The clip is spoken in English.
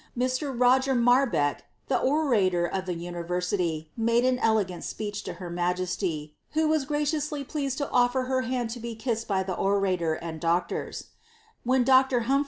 Mr. Roger Marbeck, the ontor of the University, made an elegant speech to her majesty, who Vis graciously pleased to offer her hand to be kissed by the orator and * Melville's MemouB, 16* 188 mt.